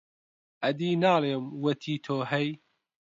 ئەدی ناڵێم، وەتی تۆ هەی،